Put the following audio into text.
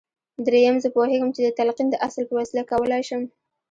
درېيم زه پوهېږم چې د تلقين د اصل په وسيله کولای شم.